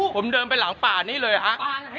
ผมเดินไปหลังป่านี่เลยฮะ